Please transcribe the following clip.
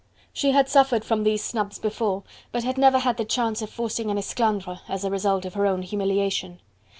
She had suffered from these snubs before, but had never had the chance of forcing an esclandre, as a result of her own humiliation.